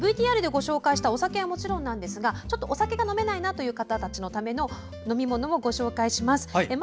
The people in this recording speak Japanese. ＶＴＲでご紹介したお酒はもちろんですがお酒が飲めない方々のための飲み物もご紹介します。